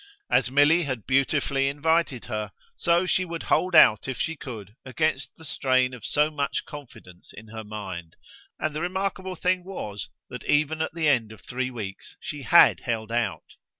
As Milly had beautifully invited her, so she would hold out if she could against the strain of so much confidence in her mind; and the remarkable thing was that even at the end of three weeks she HAD held out.